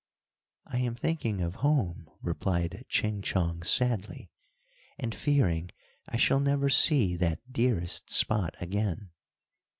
"I am thinking of home," replied Ching Chong, sadly, "and fearing I shall never see that dearest spot again."